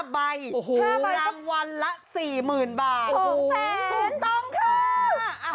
๕ใบรางวัลละ๔๐๐๐๐บาทโอ้โฮถูกต้องค่ะโอ้โฮถูกต้องค่ะ